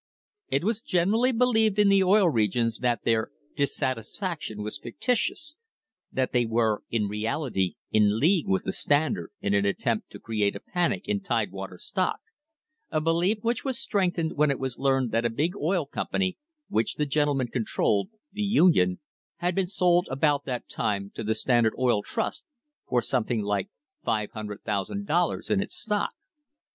It was generally believed in the Oil Regions that their "dissatisfac tion" was fictitious, that they were in reality in league with the Standard in an attempt to create a panic in Tidewater stock, a belief which was strengthened when it was learned that a big oil company, which the gentlemen controlled, the Union, had been sold about that time to the Standard Oil Trust for something like $500,000 in its stock.